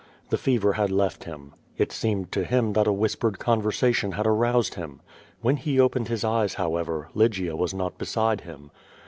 The fever had left him. It seemed to him that a whispered conversation had aroused him. When he opened his eyes, however, Lygia was not beside him.